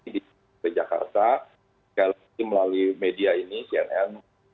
di jakarta melalui media ini cnn